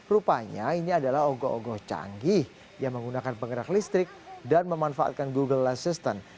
rupanya ini adalah ogo ogoh canggih yang menggunakan penggerak listrik dan memanfaatkan google assistant